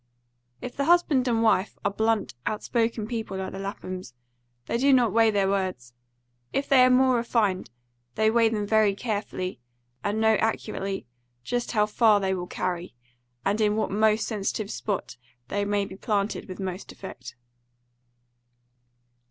If the husband and wife are blunt, outspoken people like the Laphams, they do not weigh their words; if they are more refined, they weigh them very carefully, and know accurately just how far they will carry, and in what most sensitive spot they may be planted with most effect.